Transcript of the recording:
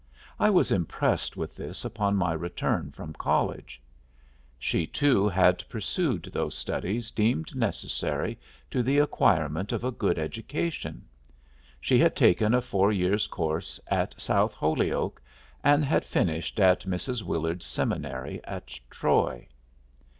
I was impressed with this upon my return from college. She, too, had pursued those studies deemed necessary to the acquirement of a good education; she had taken a four years' course at South Holyoke and had finished at Mrs. Willard's seminary at Troy.